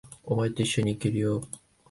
お前と一緒に行けるよ。